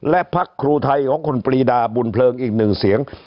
และพักครูไทยของคุณปรีดาบุญเพลิงอีกหนึ่งเสียง